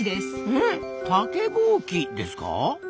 え竹ぼうきですか？